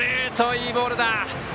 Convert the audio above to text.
いいボールだ！